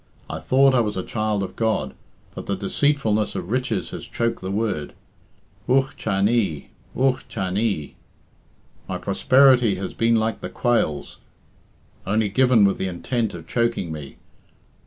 I thought I was a child of God, but the deceitfulness of riches has choked the word. Ugh cha nee! Ugh cha nee! My prosperity has been like the quails, only given with the intent of choking me.